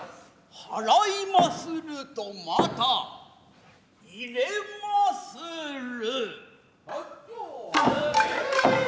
払いまするとまた入れまする。